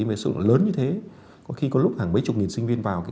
với sự lượng lớn như thế có khi có lúc hàng mấy chục nghìn sinh viên vào